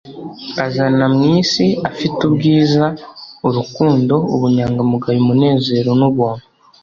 azana mwisi afite ubwiza, urukundo, ubunyangamugayo, umunezero, nubuntu